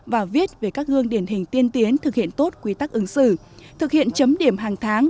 và viết về các gương điển hình tiên tiến thực hiện tốt quy tắc ứng xử thực hiện chấm điểm hàng tháng